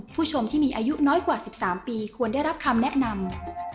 ผู้ชมที่มีอายุน้อยกว่า๑๓ปีควรได้รับคำแนะนำ